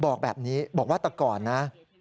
บอกแบบนี้บอกว่าแต่ก่อนนะ